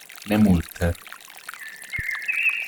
Ne multe.